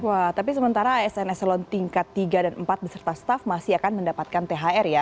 wah tapi sementara asn eselon tingkat tiga dan empat beserta staff masih akan mendapatkan thr ya